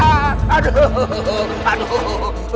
aduh aduh aduh